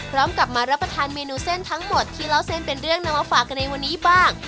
พร้อมกับมารับประทานเมนูเส้นทั้งหมดที่เล่าเส้นเป็นเรื่องนำมาฝากกันในวันนี้บ้าง